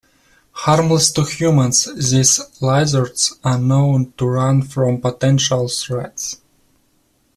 Harmless to humans, these lizards are known to run from potential threats.